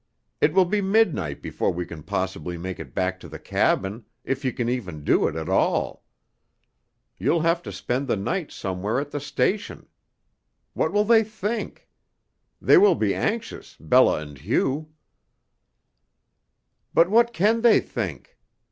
"It will be midnight before we can possibly make it back to the cabin, if you can even do it at all. You'll have to spend the night somewhere at the station. What will they think? They will be anxious, Bella and Hugh." "But what can they think?"